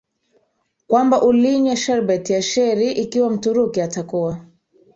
kwamba ulinywa sherbet ya cherry ikiwa Mturuki atakuwa